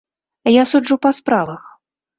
Я суджу па справах.